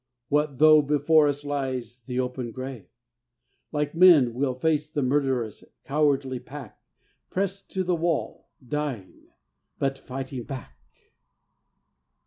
What though before us lies the open grave? Like men we'll face the murderous, cowardly pack, Pressed to the wall, dying, but fighting back!